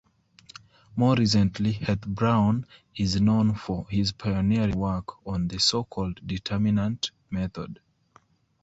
More recently, Heath-Brown is known for his pioneering work on the so-called determinant method.